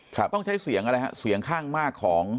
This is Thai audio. ต้องใช้เสียงอะไรฮะเสียงข้างมากของ